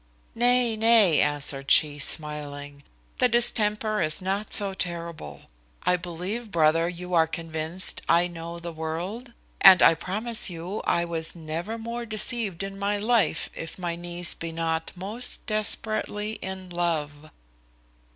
"Nay, nay," answered she, smiling, "the distemper is not so terrible; but I believe, brother, you are convinced I know the world, and I promise you I was never more deceived in my life, if my niece be not most desperately in love."